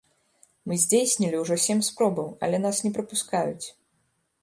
Мы здзейснілі ўжо сем спробаў, але нас не прапускаюць.